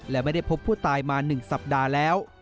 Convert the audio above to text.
และไม่ได้พบผู้ตายมา๑สัปดาห์แล้ว